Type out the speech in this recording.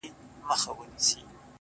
ځمه و لو صحراته؛